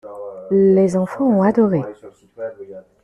Les enfants ont adoré.